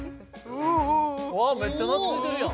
わあめっちゃなついてるやん。